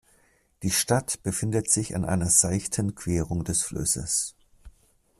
Die Stadt befindet sich an einer seichten Querung des Flusses.